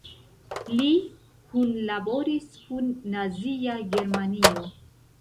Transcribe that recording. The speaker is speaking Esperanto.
Li kunlaboris kun Nazia Germanio.